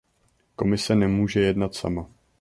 Komise nemůže jednat sama.